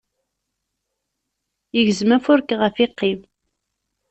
Igzem afurk ɣef iqqim.